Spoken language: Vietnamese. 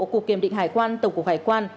cục kiểm định hải quan tổng cục hải quan